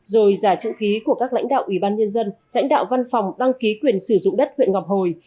rồi giả chữ ký của các lãnh đạo ủy ban nhân dân lãnh đạo văn phòng đăng ký quyền sử dụng đất huyện ngọc hồi